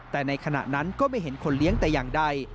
แต่ในขณะนั้นก็ไม่เห็นคนเลี้ยงแต่อย่างใด